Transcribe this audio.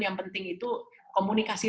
yang penting itu komunikasi